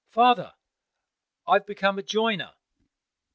"Father, I have become a joiner."